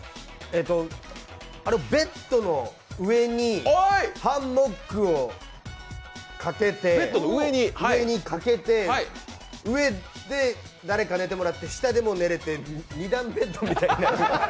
ベッドの上にハンモックをかけて上で誰か寝てもらって下でも寝れて２段ベッドみたいになる。